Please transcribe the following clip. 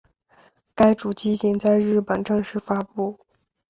该主机仅在日本正式发布。